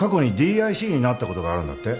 過去にＤＩＣになったことがあるんだって？